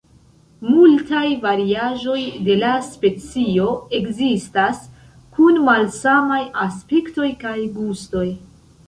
Multaj variaĵoj de la specio ekzistas, kun malsamaj aspektoj kaj gustoj.